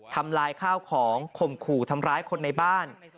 ทำลายข้าวของข่มขู่ทำร้ายคนในบ้าน